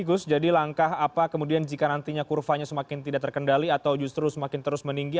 gus jadi langkah apa kemudian jika nantinya kurvanya semakin tidak terkendali atau justru semakin terus meninggi